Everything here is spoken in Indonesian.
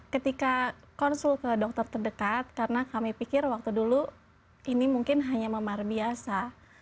ketika konsul ke dokter terdekat karena kami pikir waktu dulu ini mungkin hanya memar biasa